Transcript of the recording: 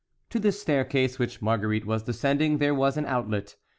To this staircase which Marguerite was descending there was an outlet.